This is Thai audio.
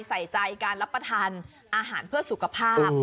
ใส่ใจการรับประทานอาหารเพื่อสุขภาพ